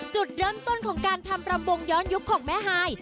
จุดเริ่มต้นของการทำรำวงย้อนยุคของแม่ฮาย